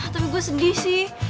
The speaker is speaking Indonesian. tapi gue sedih sih